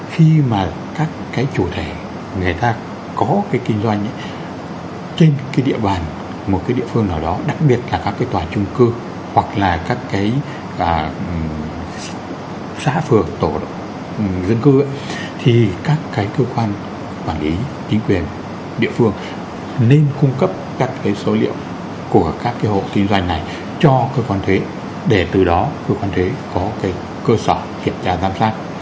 khi mà các cái chủ thể người ta có cái kinh doanh ấy trên cái địa bàn một cái địa phương nào đó đặc biệt là các cái tòa trung cư hoặc là các cái xã phường tổ dân cư ấy thì các cái cơ quan quản lý chính quyền địa phương nên cung cấp các cái số liệu của các cái hộ kinh doanh này cho cơ quan thuế để từ đó cơ quan thuế có cái cơ sở kiểm tra giám sát